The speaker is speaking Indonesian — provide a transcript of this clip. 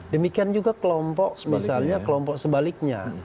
demikian juga kelompok sebaliknya